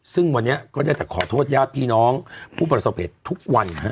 ซึ่งวันนี้ก็จะแต่ขอโทษย่าพี่น้องผู้ประสบเพศทุกวัน